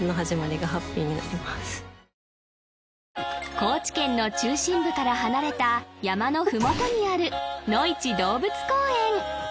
高知県の中心部から離れた山の麓にあるのいち動物公園